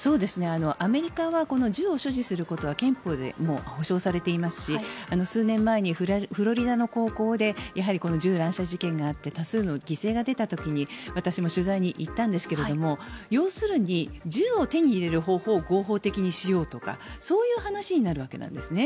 アメリカは銃を所持することは憲法で保障されていますし数年前にフロリダの高校で銃乱射事件があって多数の犠牲が出た時に私も取材に行ったんですけど要するに、銃を手に入れる方法を合法的にしようとかそういう話になるわけなんですね。